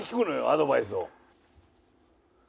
アドバイスを。